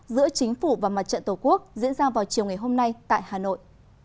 giữa chính phủ và mặt trận tổ quốc diễn ra vào chiều ngày hôm nay tại hà nội